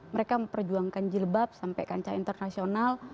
mereka memperjuangkan jilbab sampai kancah internasional